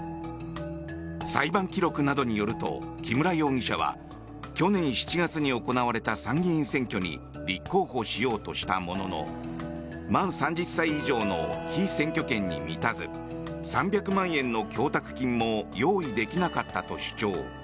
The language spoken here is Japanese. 裁判記録などによると木村容疑者は去年７月に行われた参議院選挙に立候補しようとしたものの満３０歳以上の被選挙権に満たず３００万円の供託金も用意できなかったと主張。